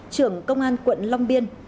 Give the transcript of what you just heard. trưởng công an quận long biên